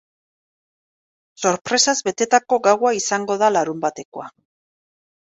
Sorpresaz betetako gaua izango da larunbatekoa.